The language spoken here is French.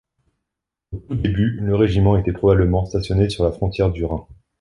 Au tout début le régiment était probablement stationné sur la frontière du Rhin.